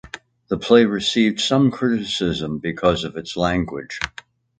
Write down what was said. The play received some criticism because of its language.